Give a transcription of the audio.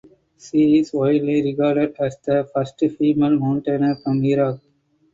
She is widely regarded as the first female mountaineer from Iraq.